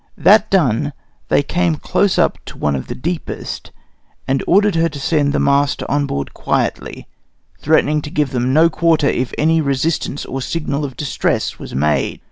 That done, they came close up to one of the deepest, and ordered her to send the master on board quietly, threatening to give them no quarter if any resistance or signal of distress was made.